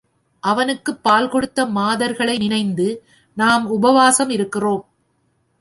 அவனுக்குப் பால் கொடுத்த மாதர்களை நினைந்து நாம் உபவாசம் இருக்கிறோம்.